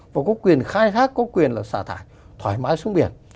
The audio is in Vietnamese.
và có quyền khai thác có quyền là xả thải thoải mái xuống biển